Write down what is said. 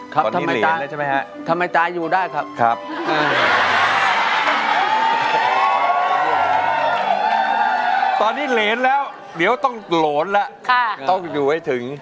ครับทำไมตายอยู่ได้ครับครับตอนนี้เหรียญแล้วเดี๋ยวต้องโหลนล่ะต้องอยู่ให้ถึง